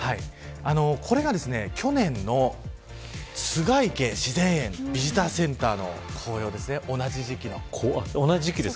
これが去年の栂池自然園ビジターセンターの紅葉です。